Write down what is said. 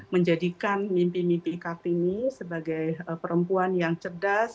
menjadikan mimpi mimpi kartini sebagai perempuan yang cerdas